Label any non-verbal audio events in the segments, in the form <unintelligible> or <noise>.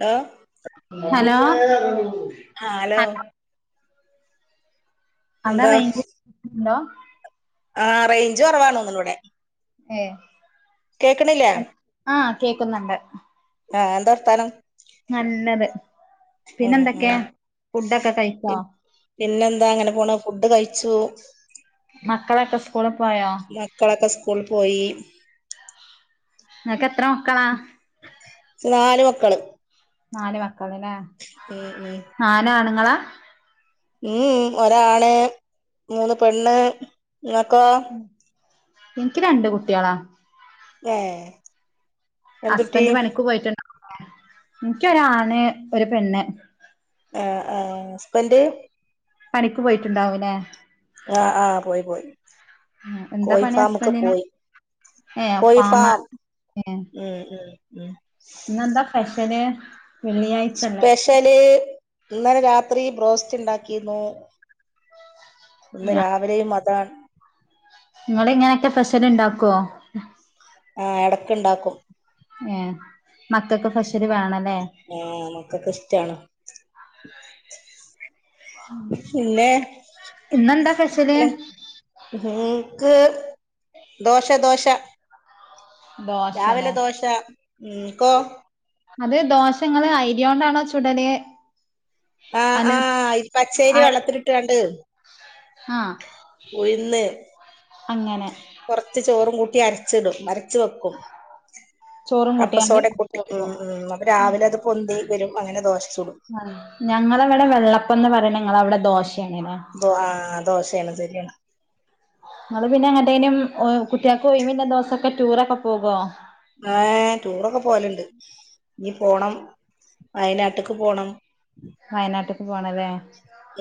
Hello hello. ആ hello. അവിടെ എന്താ റേഞ്ച് ഉണ്ടോ? ആ റേഞ്ച് കുറവാണെന്ന് തോനുണു ഇവിടെ? ഏ കേക്കണ്ല്ലേ? ആഹ് കേക്കുന്നുണ്ട് ആഹ് എന്താ വർത്താനം? നല്ലത്. ഉം ഉം പിന്നെന്തൊക്കെ, ഫുഡൊക്കെ കഴിച്ചോ? പിന്നെന്താ, അങ്ങനെ പോണ് ഫുഡ് കഴിച്ചു. മക്കളൊക്കെ സ്കൂളിൽ പോയോ? മക്കളെക്ക സ്കൂൾ പോയി. ഇങ്ങക്കെത്ര മക്കള? നാല് മക്കള്. നാല് മക്കള് ല്ലേ? ഉം ഉം. നാലാണുങ്ങള? മ് ഒരാണ് മൂന്ന് പെണ്ണ്, നിങ്ങക്കോ? എനിക്ക് രണ്ട് കുട്ടികളാ. ഏ എന്തുട്ടി ഹസ്ബൻഡ് പണിക്ക് പോയിട്ടു <unintelligible> എനിക്കൊരാണ് ഒരു പെണ്ണ്. ആഹ് ആ. ഹസ്ബൻഡ്? പണിക്ക് പോയിട്ടുണ്ടാവല്ലേ? ആഹ് ആ പോയി പോയി. എന്താ കോഴി പണി ഫാമ്ക്ക് ഹസ്ബൻഡിന് പോയി. ഏ ഫാമാ കോഴിഫാമ ഏ ഉം ഉം ഉം. ഇന്നെന്താ സ്പെഷല് വെള്ളിയാഴ്ചല്ലേ? ഷ്യല് ഇന്നലെ രാത്രി ബ്രോസ്റ്റുണ്ടാക്കീന്നു. ഇന്ന് രാവിലെയും അതാണ്. ഇങ്ങളി ങ്ങനെയൊക്കെ സ്പെഷ്യൽ ഉണ്ടാക്കുവോ? ആ എടയ്ക്ക്ണ്ടാക്കും. ഏ മക്കക്ക് സ്പെഷ്യല് വേണല്ലേ? ആ മക്കക്ക് ഇഷ്ട്ടാണ്. പിന്നേ, ഇന്നെന്താ ഫെഷ്യല് ഞങ്ങക്ക് ദോശ ദോശ. രാവിലെ ദോശല്ലേ ദോശ, നിങ്ങക്കോ? അത് ദോശ ങ്ങള് ഐഡ്യാ കൊണ്ടാണോ ചുടല് ആ അല്ലെ ആ ഈ പച്ചരി വെള്ളത്തിലിട്ടാണ്ട് ആ ഇവിടില്ല. അങ്ങനെ. കൊറച്ച് ചോറും കൂട്ടി അരച്ചിടും, അരച്ച്‌ വെക്കും. ചോറും കൂട്ടിയാണ്ട് അരച്ച് അപ്പസോഡാപ്പൊടി ഉം വെക്കും ഉം അപ്പൊ രാവിലെ അത് പൊന്തി വരും അങ്ങനെ ദോശ ചുടും. ആ ഞങ്ങളവിടെ വെള്ളപ്പംന്ന് പറയും നിങ്ങളവിടെ ദോശേന്നാണോ? ദോ ദോശേണ് <unintelligible> നിങ്ങള് പിന്നെ എങ്ങട്ടേനും എ കുട്ടികൾക്കൊഴിവിന്റെ ദിവസൊക്കെ ടൂറൊക്കെ പോക്വോ? ആ ടൂറൊക്കെ പോവലുണ്ട് ഇനി പോണം വയനാട്ടക്ക് പോണം. വയനാട്ട്ക്ക് പോണല്ലേ?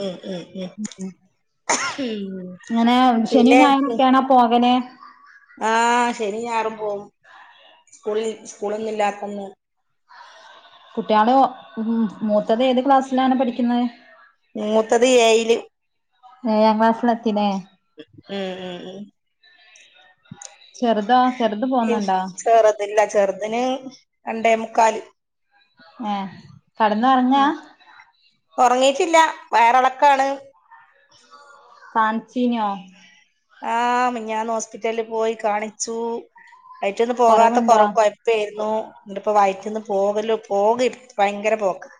ഉം ഉം ഉം ഉം എങ്ങനേ ശനി പിന്നെ ഞായറൊക്കെയാണോ പോകല്? ആ ശനീം ഞായറും പോവും സ്കൂളിൽ സ്കൂളൊന്നും ഇല്ലാത്തന്നു. കുട്ട്യാള് മ് മൂത്തത് ഏത് ക്ലാസ്സിലാണ് പഠിക്കുന്നേ? മൂത്തത് ഏയില്. ഏഴാം ക്‌ളാസിലെത്തീലെ? ഉം ഉം ഉം ചെറുതോ ചെറുത് പോന്നൊണ്ടോ? ഇല്ല ചെറുതിന് രണ്ടേമുക്കാല് ഏ കെടന്നൂറങ്ങുവാ? ഉറങ്ങീയിട്ടില്ല വയറെളക്കാണ്. കാമിച്ചീനോ? ആ, ഞാൻ ഹോസ്പിറ്റലിൽ പോയി കാണിച്ചു, അയിറ്റൊന്നും പോകാത്ത കൊറവുണ്ടോ കൊറ പ്പേരുന്നു എന്നിട്ടിപ്പ വയറ്റിന്ന് പോകല് പോക ഭയങ്കര പോക്ക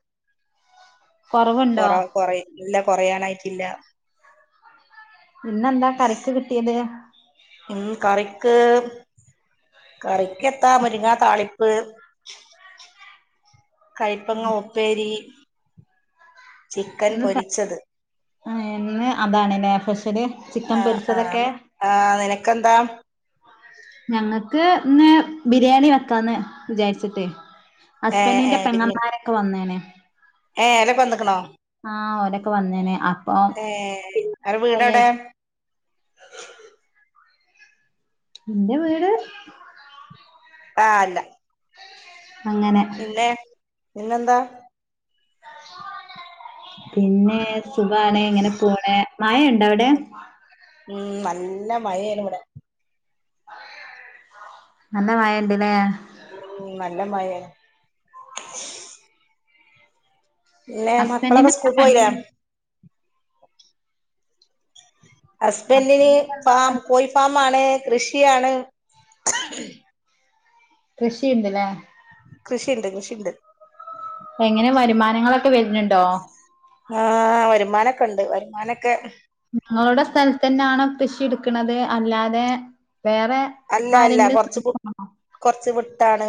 കൊറവുണ്ടോ? കൊറയ ഇല്ല കൊറയാനായിട്ടില്ല. ഇന്നെന്താ കറിക്ക് കിട്ടിയത്? ഇന്ന് കറിക്ക് കറിക്കെത്താ മുരിങ്ങ താളിപ്പ് <inaudible> കയ്പ്പങ്ങ ഉപ്പേരി ചിക്കൻ ഇന്ന് ത പൊരിച്ചത്. ആ ഇന്ന് അതാണല്ലേ സ്പെഷ്യല്. ചിക്കൻ ആ ആ പൊരിച്ചതൊക്കെ അത് ആ നിനക്കെന്താ? ഞങ്ങക്ക് ഇന്ന് ബിരിയാണി വെക്കാന്ന് വിചാരിച്ചിട്ടേ ഏഹ് ഹസ്ബന്റിന്റെ ഏഹ് ബിരി പെങ്ങമ്മാരൊക്കെ വന്ന്ണ്. ഏഹ് ഓലൊക്കെവന്ന്ക്ണൊ? ആഹ് ഓലൊക്കെ വന്ന്ണ് അപ്പൊ ഏഹ് അന്റെ ഉ വീടെവിടെ ന്റെവീട് ആഹ് അല്ല അങ്ങനെ പിന്നെ പിന്നെന്താ? പിന്നെ സുഖാണ് ങ്ങനെ പോണ് മഴണ്ടോ അവിടെ? ഉം നല്ല മഴേണിവടെ. നല്ല മഴണ്ട്ലേ ഉം നല്ല മഴേണ്. പിന്നെ ഹസ്ബൻഡിന് മക്കളൊക്കെ എന്താ പണി സ്കൂൾക്കോയീലേ? ഹസ്ബന്റിന് ഹസ്ബൻഡിനെന്താ ഫാം പണി കോഴി ഫാമാണ്, കൃഷിയാണ്. കൃഷിണ്ട്ലേ? കൃഷിണ്ട് കൃഷിണ്ട്. എങ്ങനെ വരുമാനങ്ങളൊക്കെ വര്ന്നുണ്ടോ? ആഹ് വരുമാനൊക്കണ്ട് വരുമാനൊക്കെ. ങ്ങളുടെ സ്ഥൽത്തെന്നാണൊ കൃഷി എട്ക്ക്ണത് അല്ലാതെ വേറെ. അല്ല അല്ല ആരെങ്കിലും കൊർച്ച് പു കൊർച്ച് വ്ട്ടാണ്.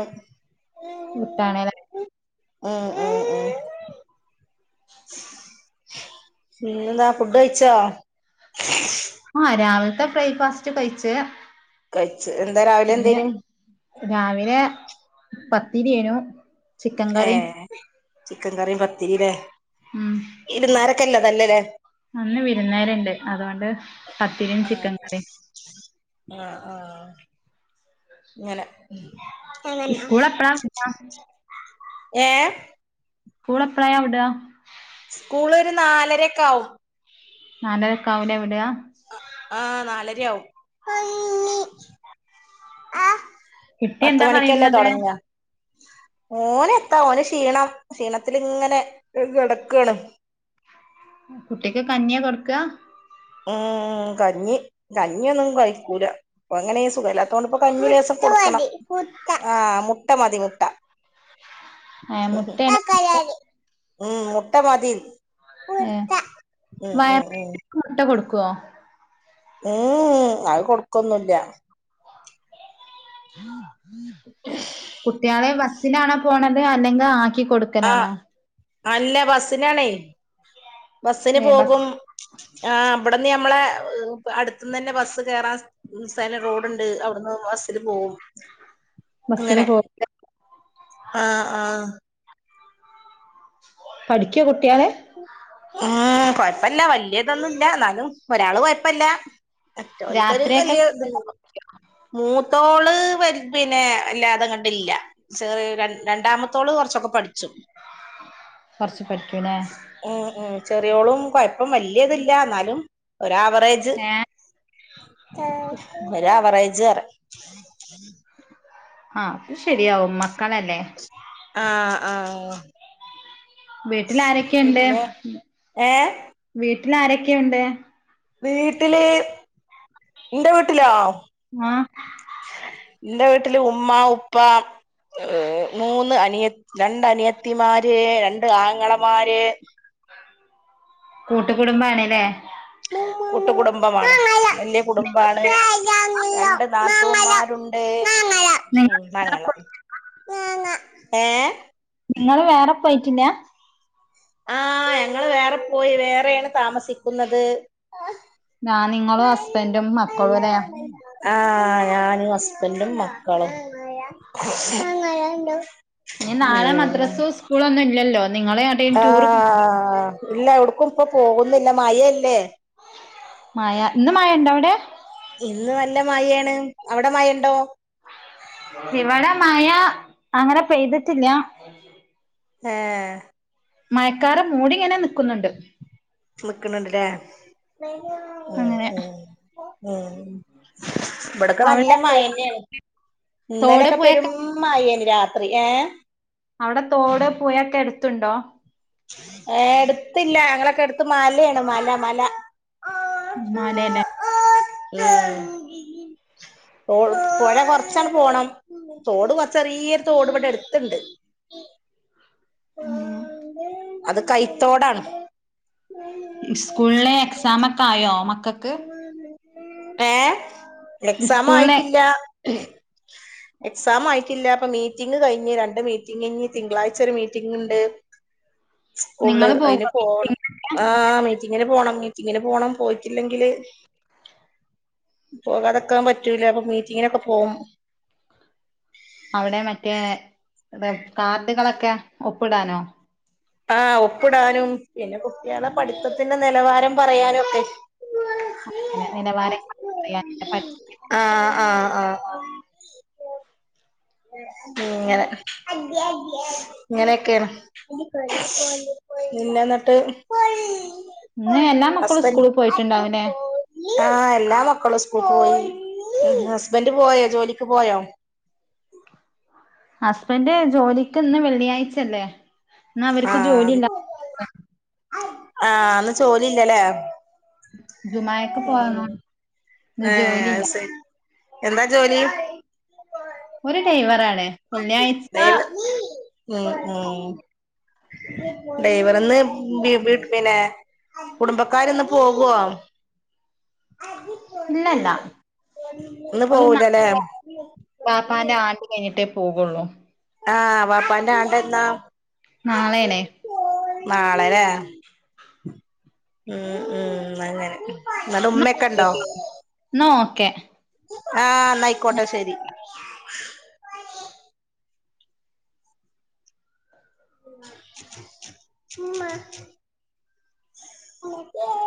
<unintelligible> ആഹ് ആഹ് പിന്നന്താ ഫുഡഴ്ച്ചോ? ആഹ് രാവിൽത്തെ ബ്രേക്ക് ഫാസ്റ്റ് കഴിച്ച്. കഴ്ച്ച് എന്താ പിന്നെ രാവിലെന്തേര്ന്ന്? രാവിലെ പത്തിരേനു. ഏഹ് ചിക്കം കറിം പത്തിരി ലേ ഉമ് ഇര്ന്നാരക്കള്ളതല്ല ലേ ഇന്ന് വിര്ന്നാര്ണ്ട് അതോണ്ട് പത്തിരിം ആഹ് ചിക്കം കറിം. ആഹ് ആഹ് ങ്ങനെ. സ്കൂൾ എപ്പളാ വിട ഏ സ്കൂൾ എപ്പളയാവ്ട? സ്കൂള് ഒരു നാലരൊക്കെ ആവും. നാലരെക്കാവുലെ വിട? ആഹ് നാലരയാവും കുട്ടി പത്ത് എന്താ മണിക്കല്ലെ പറയുന്നത് തൊട്ങ്ങാ? ഓനെത്താ ഓന് ക്ഷീണം ക്ഷീണത്തി ല്ങ്ങനെ കെടക്കാണ്. കുട്ടിക്ക് കഞ്ഞ്യാ കൊട്ക്ക? ഉമ് കഞ്ഞി കഞ്ഞ്യൊന്നും കഴിക്കൂല. അപ്പ അങ്ങനെ ഈ സുഖല്ലാത്തോണ്ട്പ്പോ കഞ്ഞി ലേശം കൊടുക്കണം ആഹ് മുട്ട മതി മുട്ട. മുട്ടയാണ് ഉമ് മുട്ട മതി. ഏഹ് ഉം വയർ ഉം ഉം മുട്ട കൊടുക്കോ? ഉമ് ഉമ് അത് കൊട്ക്കൊന്നുല്ല്യ. കുട്യാളെ ബസ്സിലാണൊ പോണത് അല്ലങ്കെൽ ആക്കികൊടു ആഹ് അല്ല ബസ്സിനാണേ ബസ്സിന് ഏ ബസ് പോകും. ആഹ് ബട്ന്ന് ഞമ്മളെ അടുത്ത്ന്നന്നെ ബസ്സ് കേറാൻ ഉമ് സെല റോഡ്ണ്ട്. അവ്ട്ന്ന് ബസ്സില് പോകും. ബസ്സിന് അങ്ങനെ പോ ആഹ് ആഹ്. പഠിക്ക്യൊ കുട്ട്യാള്? ഉമ് കൊഴ്പ്പല്ല്യ വല്യതൊന്നുല്ല ന്നാലും ഒരാള് കൊഴപ്പല്ല. മാറ്റാള് ക്കര് രാത്രിയൊക്കെ വല്ല്യ ത് ഇല്ല മൂത്തോള് വ പിന്നെ വല്ലാതെ ങ്ങട്ട് ഇല്യ ചെറി രണ്ടാമത്തോള് കൊറച്ചൊക്കെ പഠിച്ചും കുറച്ച് പഠിക്കുലെ ഉമ് ഉമ് ചെറിയോളും കുഴപ്പം വല്യ തില്ല എന്നാലും ഒരാവറേജ് ഏ ഒരാവറേജ് റിയ ആഹ് അത് ശരിയാവും മക്കളല്ലേ ആഹ് ആഹ് വീട്ടിലാരെക്കെണ്ട് പിന്നെ ഏഹ് വീട്ടിലാരൊക്കെ ഇണ്ട് വീട്ടില് ന്റെ വീട്ടിലോ ആഹ് ന്റെ വീട്ടില് ഉമ്മ, ഉപ്പ ഏഹ് മൂന്ന് അനിയ രണ്ട് അനിയത്തിമാര് രണ്ട് ആങ്ങളമാര് കൂട്ടു കുടുംബാണ് ലെ കൂട്ടുകടുംബമാണ് വല്യ കുടുംബാണ് രണ്ട് ന ല്ലരും ഉണ്ട്‌ നിങ്ങ <unintelligible> ഏഹ് ങ്ങള് വേറെ പോയിട്ടില്ല ആഹ് ഞങ്ങള് വേറെ പോയി വേറെയാണ് താമസിക്കുന്നത് ഞാൻ നിങ്ങളും ഹസ്ബൻറും മക്കളും ലെ ആഹ് ഞാനും ഹസ്ബൻറും മക്കളും <unintelligible> ഇനി നാളെ മദ്രസ്സൂ സ്കൂളൊന്നും ഇല്ലല്ലോ നിങ്ങളെ ആഹ് ഇല്ല എവിഡ്ക്കും ഇപ്പൊ പോകുന്നില്ല മയയല്ലേ മയ ഇന്ന് മയണ്ടവടെ ഇന്ന് നല്ല മഴേണ് അവിടെ മഴ ഇണ്ടോ ഇവിടെ മഴ അങ്ങനെ പെയ്തിട്ടില്ല <unintelligible> ആഹ് മയക്കാറ് മൂടിങ്ങനെ നിക്കുന്നുണ്ട് നിക്ക്ണ്ണ്ട് ലെ ഉം അങ്ങനെ ഉം ഉം ഇവിടൊക്കെ നല്ല അവിടെ തോ മയന്നാണ് തോട് ഇന്നലൊക്കെ പെരും പുഴയൊക്കെ മയെന്നെ രാത്രി ഏഹ് അവിടെ തോട് പുയൊക്കെ എടുത്തുണ്ടോ ഏഹ് എടുത്തില്ല ഞങ്ങളൊക്കെ എടുത്ത് മലയാണ് മല മല മലേലെ ഉം പൊഴ കൊറച്ചാണ്ട് പോണം തോട് ചെറിയ തോട്പടെ എടുത്തണ്ട് <inaudible> അത് കൈത്തോടാണ് ഇസ്കൂളിലെ എക്സാമൊക്കെ ആയോ മക്കൾക്ക് ഏഹ് എക്സാം സ്കൂളിലെ ആയിട്ടില്ല എക്സാം ആയിട്ടില്ല അപ്പ മീറ്റിംഗ് കഴിഞ്ഞ് രണ്ട് മീറ്റിംഗ കഴിഞ്ഞ് തിങ്കളാഴ്ച ഒരു മീറ്റിംഗ ഉണ്ട് <inaudible> സ്കൂള്ല് നിങ്ങള് അതിന് പോകോ പോണം മീറ്റിങ്ങിനൊക്കെ ആഹ് മീറ്റിങ്ങിന് പോണം മീറ്റിങ്ങിന് പോണം പോയിട്ടില്ലെങ്കില് പോകാതെക്കാൻ പറ്റൂല അപ്പൊ മീറ്റിങ്ങിനൊക്കെ പോകും അവിടെ മറ്റേ കാർഡുകളൊക്കെ ഒപ്പിടാനോ ആഹ് ഒപ്പിടാനും പിന്നെ കുട്ടിയളെ പഠിത്തത്തിന്റെ നെലവാരം പറയാനും ഒക്കെ അങ്ങനെ നിലവാരംറ്റ <inaudible> ആഹ് ആഹ് ആഹ് ങ്ങനെ ഇങ്ങനെയൊക്കെയാണ് പിന്നെ ന്നിട്ട് ഇന്ന് എല്ലാ <unintelligible> മക്കളും ഹസ്ബൻഡ് സ്കൂളിൽ പോയിട്ടുണ്ടാവുംല്ലേ <unintelligible> ആഹ് എല്ലാ മക്കളും സ്കൂൾ പോയി ഹസ്ബന്റ് പോയോ ജോലിക്ക് പോയോ ഹസ്ബൻഡ് ജോലിക്ക് ഇന്ന് വെള്ളിയാഴ്ചല്ലേ ഇന്ന് അവർക്ക് ജോലി ആഹ് ഇല്ല ആഹ് അന്ന് ജോലി ഇല്ലല്ലേ ജുമായക്ക് ഉം പോകണം ഇന്ന് ഏഹ് ജോലിയില്ല സ എന്താ ജോലി ഒരു ഡ്രൈവറ ആാണ് ഉം ഉം ഡൈവർന്ന് പിന്നെ കുടുംബക്കാാര് ഇന്ന് പോകുവോ ഇല്ലല്ല ഇന്ന് ഒരു ന പോവൂലല്ലേ വാപ്പാന്റെ ആണ്ട് കഴിഞ്ഞിട്ടേ പോകുള്ളൂ ആഹ് വാപ്പാന്റൊണ്ടന്താ നാളെയനെ നാളെല്ലേ ഉം ഉം ഇന്നങ്ങനെ ഇന്നാ ഒക്കെട്ടിം എന്നാ ഓക്കെ ആഹ് എന്നായിക്കോട്ടെ ശരി ഇമ്മ ഇമ്മച്ചിയെ